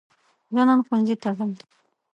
زه نن ښوونځي ته ځم.